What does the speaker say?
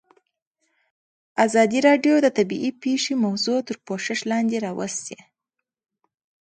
ازادي راډیو د طبیعي پېښې موضوع تر پوښښ لاندې راوستې.